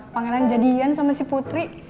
pangeran jadian sama si putri